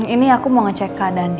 ini aku mau ngecek keadaan